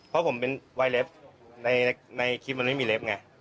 เพราะผมเป็นวายเล็บในคลิปมันไม่มีเล็บไง